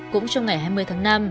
cũng trong ngày hai mươi tháng năm